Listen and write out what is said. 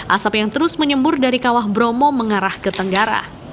asap yang terus menyembur dari kawah bromo mengarah ke tenggara